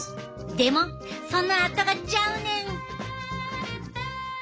でもそのあとがちゃうねん。